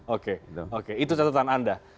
oke itu catatan anda